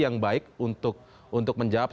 yang baik untuk menjawab